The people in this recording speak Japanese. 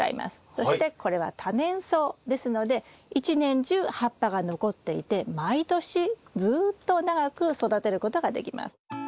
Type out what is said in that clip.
そしてこれは多年草ですので一年中葉っぱが残っていて毎年ずっと長く育てることができます。